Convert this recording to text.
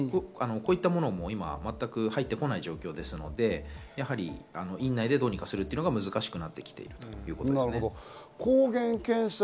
こういったものも全く入ってこない状態ですので、院内でどうにかするというのが難しくなってきているということですね。